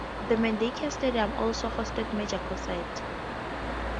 The Merdeka Stadium also hosted major concerts.